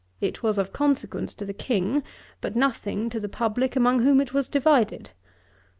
It was of consequence to the King, but nothing to the publick, among whom it was divided.